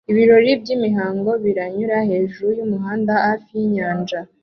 Ibirori byimihango biranyura hejuru yumuhanda hafi yinyanja